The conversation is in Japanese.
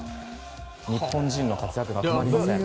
日本人の活躍が止まりません。